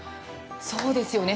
そうですよね。